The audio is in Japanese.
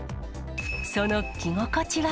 その着心地は。